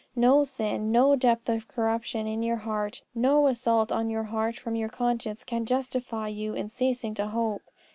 No sin, no depth of corruption in your heart, no assault on your heart from your conscience, can justify you in ceasing to hope.